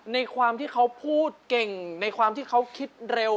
ในความที่เขาพูดเก่งในความที่เขาคิดเร็ว